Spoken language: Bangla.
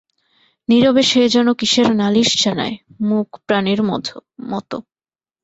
নীরবে সে যেন কিসের নালিশ জানায়, মূক প্রাণীর মতো।